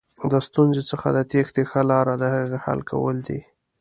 د ستونزې څخه د تېښتې ښه لاره دهغې حل کول دي.